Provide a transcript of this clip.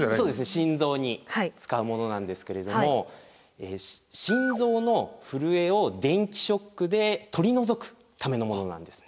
心臓に使うものなんですけれども心臓の震えを電気ショックで取り除くためのものなんですね。